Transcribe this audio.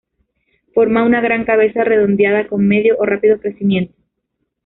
Forma una gran cabeza redondeada con medio o rápido crecimiento.